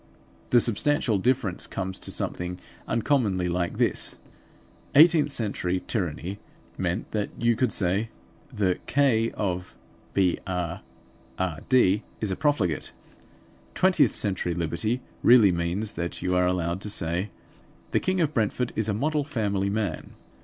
The substantial difference comes to something uncommonly like this: Eighteenth century tyranny meant that you could say "The K__ of Br__rd is a profligate." Twentieth century liberty really means that you are allowed to say "The King of Brentford is a model family man."